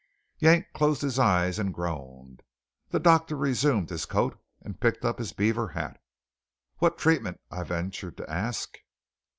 Yank closed his eyes and groaned. The doctor resumed his coat and picked up his beaver hat. "What treatment?" I ventured to ask.